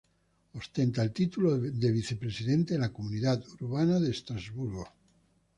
Ostenta el título de vicepresidente de la comunidad Urbana de Estrasburgo.